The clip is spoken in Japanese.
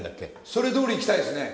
それどおりいきたいですね。